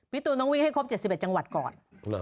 พี่ตูนน้องวิ่งให้ครบเจ็ดสิบเอ็ดจังหวัดก่อน